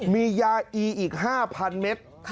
มียาอีอีก๕๐๐เมตร